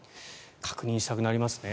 確認したくなりますね。